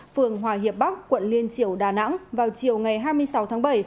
phường hòa hiệp bắc quận liên triều đà nẵng vào chiều ngày hai mươi sáu tháng bảy